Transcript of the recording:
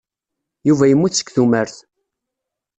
Yuba yemmut seg tumert.